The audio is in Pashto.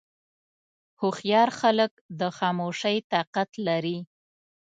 هوښیار خلک د خاموشۍ طاقت لري.